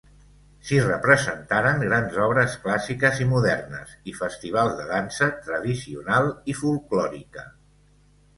S'hi representaren grans obres clàssiques i modernes i festivals de dansa tradicional i folklòrica.